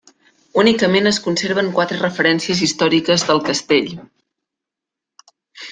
Únicament es conserven quatre referències històriques del castell.